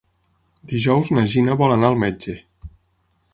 Dijous na Gina vol anar al metge.